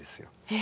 え？